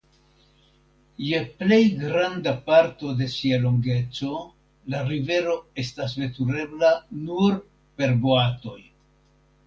Je plej granda parto de sia longeco la rivero estas veturebla nur per boatoj.